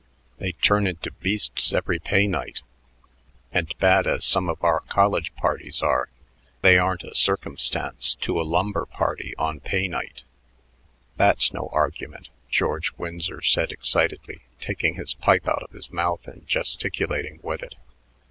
They turn into beasts every pay night; and bad as some of our college parties are, they aren't a circumstance to a lumber town on pay night." "That's no argument," George Winsor said excitedly, taking his pipe out of his mouth and gesticulating with it.